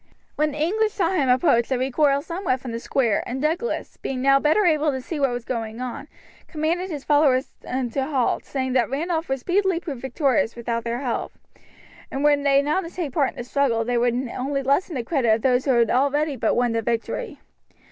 When the English saw him approach they recoiled somewhat from the square, and Douglas, being now better able to see what was going on, commanded his followers to halt, saying that Randolph would speedily prove victorious without their help, and were they now to take part in the struggle they would only lessen the credit of those who had already all but won the victory.